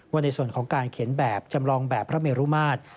ในส่วนของการเขียนแบบจำลองแบบพระเมรุมาตร